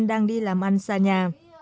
đang đi làm ăn xa nhà